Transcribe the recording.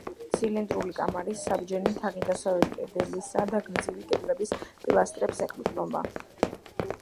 ცილინდრული კამარის საბჯენი თაღი დასავლეთ კედლისა და გრძივი კედლების პილასტრებს ეყრდნობა.